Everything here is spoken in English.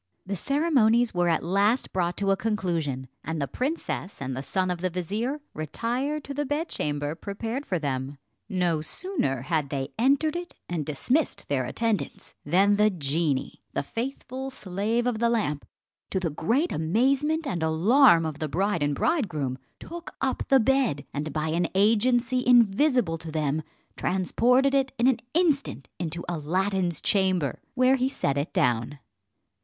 The ceremonies were at last brought to a conclusion, and the princess and the son of the vizier retired to the bedchamber prepared for them. No sooner had they entered it, and dismissed their attendants, than the genie, the faithful slave of the lamp, to the great amazement and alarm of the bride and bridegroom, took up the bed, and by an agency invisible to them, transported it in an instant into Aladdin's chamber, where he set it down.